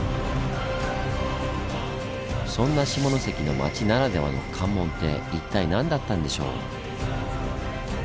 そんな下関の町ならではの「関門」って一体何だったんでしょう？